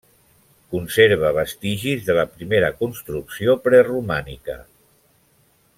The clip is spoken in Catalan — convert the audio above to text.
Conserva vestigis de la primera construcció preromànica.